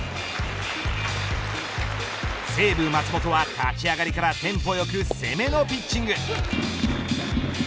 西武、松本は立ち上がりからテンポよく攻めのピッチング。